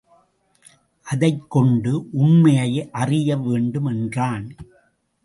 அதைக்கொண்டு உண்மையை அறியவேண்டும் என்றான்.